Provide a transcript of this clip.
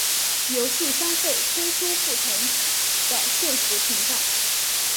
游戏商会推出不同的限时频道。